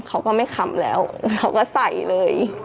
เขาก็ไม่คำแล้วเขาก็ใส่เลย